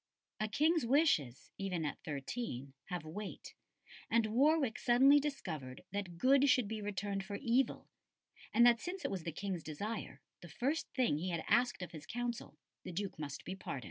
A King's wishes, even at thirteen, have weight, and Warwick suddenly discovered that good should be returned for evil; and that since it was the King's desire, and the first thing he had asked of his Council, the Duke must be pardoned.